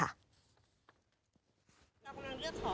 เราพร้อมเลือกของ